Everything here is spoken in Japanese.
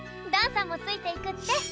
だんさんもついていくって！